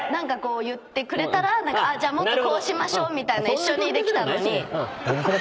じゃあもっとこうしましょうみたいな一緒にできたのに。